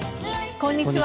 こんにちは。